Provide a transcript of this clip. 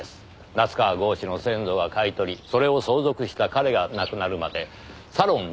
夏河郷士の先祖が買い取りそれを相続した彼が亡くなるまでサロン